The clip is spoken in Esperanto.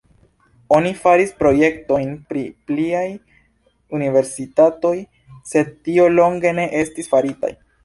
Oni faris projektojn pri pliaj universitatoj, sed tio longe ne estis faritaj.